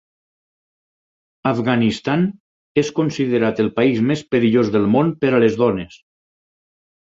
Afganistan és considerat el país més perillós del món per a les dones.